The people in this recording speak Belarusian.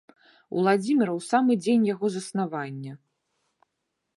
Уладзіміра ў самы дзень яго заснавання.